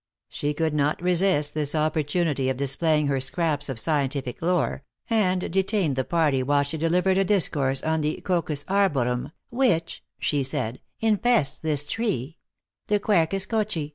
She could not resist this opportunity of displaying her scraps of scientific lore, and detained the party while she delivered a discourse on the coccus arborum, " which," she said, " infests this tree ; the quercus cocci.